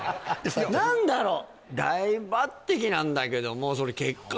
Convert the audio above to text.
何だろう